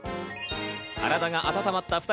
体が温まった２人。